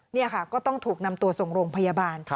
นี่ค่ะก็ต้องถูกนำตัวส่งโรงพยาบาล